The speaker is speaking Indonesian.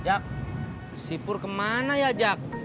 jak sipur kemana ya jak